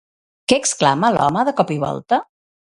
Què exclama, l'home, de cop i volta?